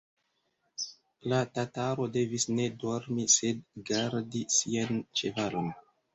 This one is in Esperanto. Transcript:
La tataro devis ne dormi, sed gardi sian ĉevalon.